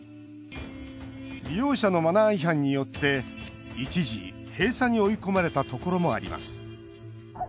利用者のマナー違反によって一時閉鎖に追い込まれたところもあります。